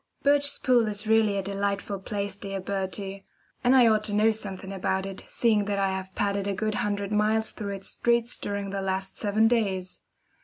Birchespool is really a delightful place, dear Bertie; and I ought to know something about it, seeing that I have padded a good hundred miles through its streets during the last seven days.